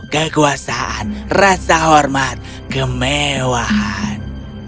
kekuasaan rasa hormat kemewahan